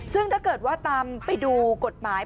ซึ่งถ้าเกิดว่าตามไปดูกฎหมาย